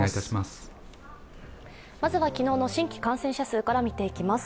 まずは昨日の新規感染者数から見ていきます。